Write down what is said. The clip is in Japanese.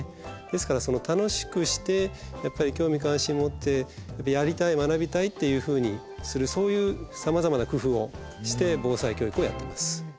ですからその楽しくしてやっぱり興味・関心を持ってやりたい学びたいっていうふうにするそういうさまざまな工夫をして防災教育をやってます。